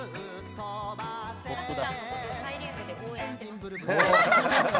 ハグちゃんのことをサイリウムで応援しています。